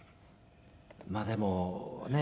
まあでもねえ